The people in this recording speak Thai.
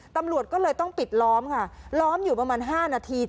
ตำรวจก็เลยต้องปิดล้อมค่ะล้อมอยู่ประมาณ๕นาที